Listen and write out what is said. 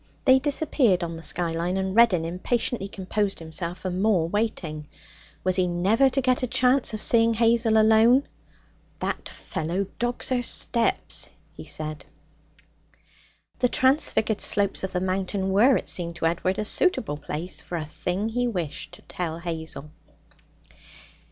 They disappeared on the skyline, and Reddin impatiently composed himself for more waiting. Was he never to get a chance of seeing Hazel alone? 'That fellow dogs her steps,' he said. The transfigured slopes of the mountain were, it seemed to Edward, a suitable place for a thing he wished to tell Hazel.